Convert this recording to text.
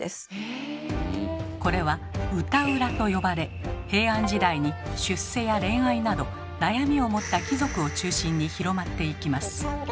これは「歌占」と呼ばれ平安時代に出世や恋愛など悩みを持った貴族を中心に広まっていきます。